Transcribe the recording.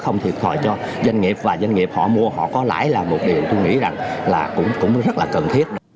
không thiệt hại cho doanh nghiệp và doanh nghiệp họ mua họ có lãi là một điều tôi nghĩ rằng là cũng rất là cần thiết